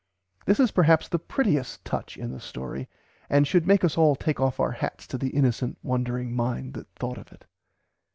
This is perhaps the prettiest touch in the story and should make us all take off our hats to the innocent wondering mind that thought of it.